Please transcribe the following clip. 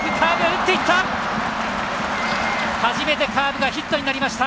初めてカーブがヒットになりました。